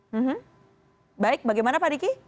hmm baik bagaimana pak diki